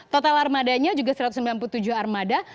total armadanya juga satu ratus sembilan puluh tujuh armada